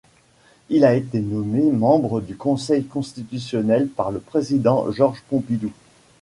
Il a été nommé membre du Conseil constitutionnel par le président Georges Pompidou.